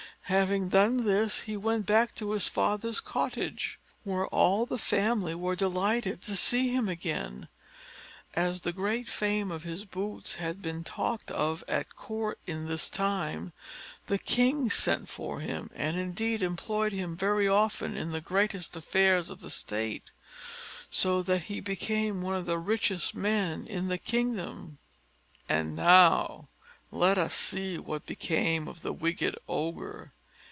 Having done this, he went back to his father's cottage, where all the family were delighted to see him again. As the great fame of his boots had been talked of at court in this time, the king sent for him, and indeed employed him very often in the greatest affairs of the state, so that he became one of the richest men in the kingdom. And now let us see what became of the wicked Ogre.